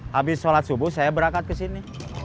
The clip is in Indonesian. habis sholat subuh saya berangkat ke sini